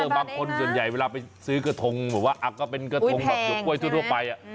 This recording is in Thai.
บางคนส่วนใหญ่เวลาไปซื้อกระทงแบบหยวกกล้วยทั่วไป